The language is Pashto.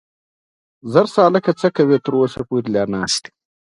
علي نن بیا احمد ته چاپلوسي کوي.